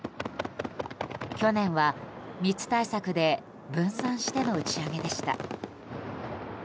去年は密対策で分散しての打ち上げでした。